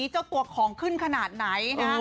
เจ้าตัวของขึ้นขนาดไหน